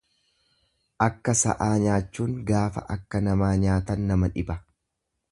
Akka sa'aa nyaachuun gaafa akka namaa nyaatan nama dhiba.